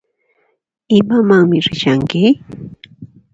Imamanmi rishanki?